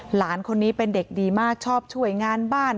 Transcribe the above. หลานคนนี้เป็นเด็กดีมากชอบช่วยงานบ้าน